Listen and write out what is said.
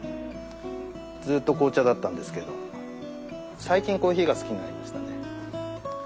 ずーっと紅茶だったんですけど最近コーヒーが好きになりましたね。